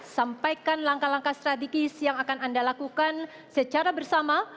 sampaikan langkah langkah strategis yang akan anda lakukan secara bersama